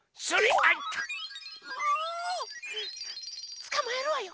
つかまえるわよ！